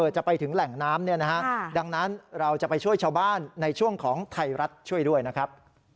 ช่วงชั่วบ้านในช่วงของไทยรัฐช่วยด้วยนะครับ